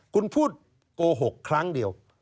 คุณพูดโกหกครั้งเดียว